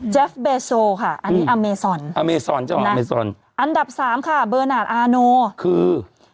เจฟเบโซค่ะอันนี้อเมซอนอันดับ๓ค่ะเบอร์นาดอาโนคือ